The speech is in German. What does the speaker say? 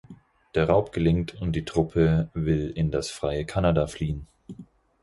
Der Raub gelingt und die Truppe will in das freie Kanada fliehen.